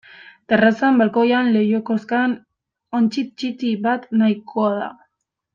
Terrazan, balkoian, leiho-koskan ontzi ttiki bat nahikoa da.